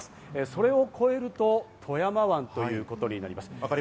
それを越えると富山湾ということになります。